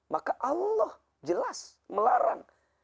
maka allah jelas melarang